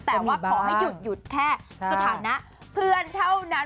แต่ว่าขอให้หยุดแค่สถานะเพื่อนเท่านั้น